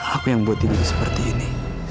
aku yang buat diri seperti ini